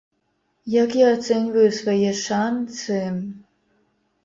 Як я ацэньваю свае шанцы?